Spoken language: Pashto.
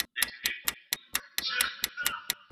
موږ باید د منحرفینو مخه ونیسو.